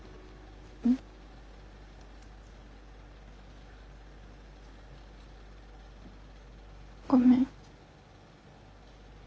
ん？ごめん。